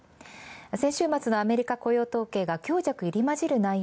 先週末のアメリカ雇用統計が強弱入り混じる。